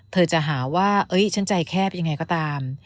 เธอจะหาว่าเอ๊ยฉันใจแคบอย่างไรก็ตาม